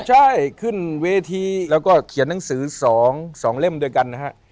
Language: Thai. ใช่ขึ้นเวทีแล้วก็เขียนหนังสือ๒เล่มด้วยกันนะฮะ